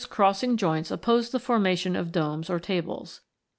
crossing joints oppose the formation of domes or tables.